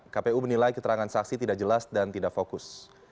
kpu menilai keterangan saksi tidak jelas dan tidak fokus